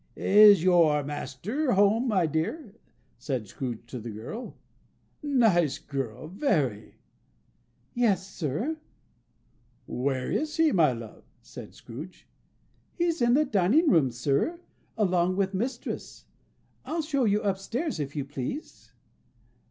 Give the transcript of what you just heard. "Is your master at home, my dear?" said Scrooge to the girl. "Nice girl! Very." "Yes, sir." "Where is he, my love?" said Scrooge. "He's in the dining room, sir, along with mistress. I'll show you upstairs, if you please."